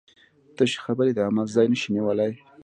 تشې خبرې د عمل ځای نشي نیولی.